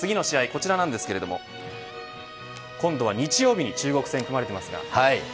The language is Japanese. こちらなんですけど今度は日曜日に中国戦が組まれています。